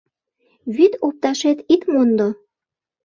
Вӱд опташет ит мондо.